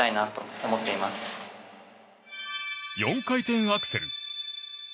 ４回転アクセル。